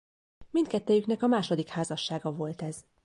Mindkettejüknek a második házassága volt ez.